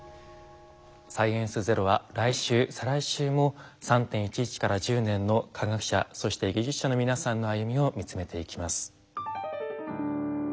「サイエンスＺＥＲＯ」は来週再来週も３．１１から１０年の科学者そして技術者の皆さんの歩みを見つめていきます。